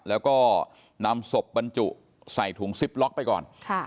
แล้วก็นำศพบรรจุใส่ถุงซิปล็อกไปก่อน